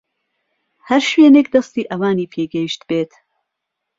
هەر شوێنێک دەستی ئەوانی پێگەیشتبێت